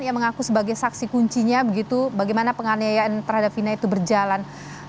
ia mengaku sebagai saksi kuncinya begitu bagaimana penganiayaan terhadap fina itu berjalan